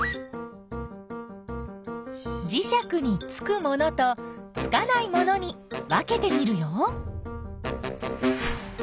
じしゃくにつくものとつかないものに分けてみるよ。